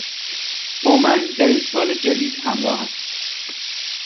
با من در این سال جدید همراه است.